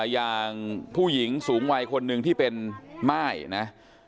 อย่างผู้หญิงสูงวัยคนหนึ่งที่เป็นม่ายนะ